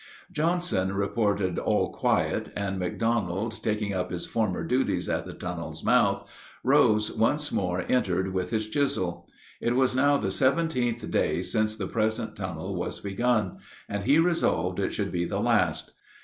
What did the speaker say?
Johnson reported all quiet, and McDonald taking up his former duties at the tunnel's mouth, Rose once more entered with his chisel. It was now the seventeenth day since the present tunnel was begun, and he resolved it should be the last.